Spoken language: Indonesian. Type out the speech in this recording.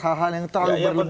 hal hal yang terlalu berlebihan